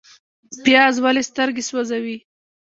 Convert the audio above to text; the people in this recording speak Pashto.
پیاز ولې سترګې سوځوي؟